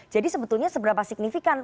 jadi sebetulnya seberapa signifikan